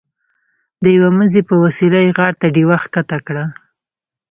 د یوه مزي په وسیله یې غار ته ډیوه ښکته کړه.